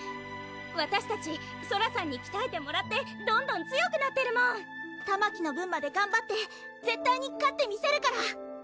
わたしたちソラさんにきたえてもらってどんどん強くなってるもんたまきの分までがんばって絶対に勝ってみせるから！